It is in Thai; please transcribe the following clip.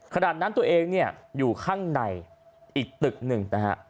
ขนาดนั้นตัวเองเนี่ยอยู่ข้างในอีกตึกหนึ่งนะฮะ